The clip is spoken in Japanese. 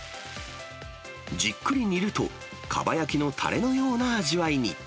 じっくり煮ると、かば焼きのたれのような味わいに。